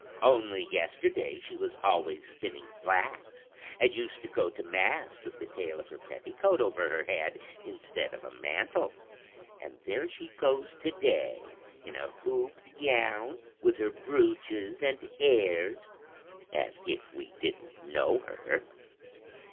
Only yesterday she was always spinning flax, and used to go to mass with the tail of her petticoat over her head instead of a mantle; and there she goes to day in a hooped gown with her brooches and airs, as if we didn't know her!'